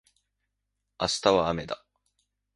明日はあめだ